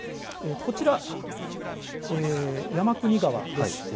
こちらは山国川です。